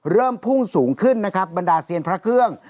เริ่มพุ่งสูงขึ้นนะครับบรรดาเซียนพระเครื่อง